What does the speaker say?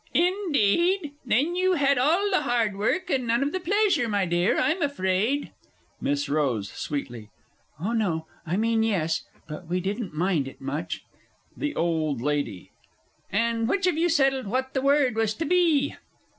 Indeed? Then you had all the hard work, and none of the pleasure, my dear, I'm afraid. MISS ROSE (sweetly). Oh no. I mean yes! but we didn't mind it much. THE O. L. And which of you settled what the Word was to be?